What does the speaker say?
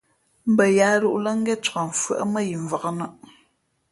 Mbα yaā lūʼ lά ngén cak mfʉ́άʼ mά yi mvǎk nᾱʼ.